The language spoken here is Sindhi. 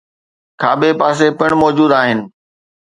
، کاٻي پاسي پڻ موجود آهن.